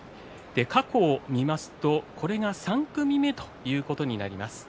過去を見ますとこれが３組目ということになります。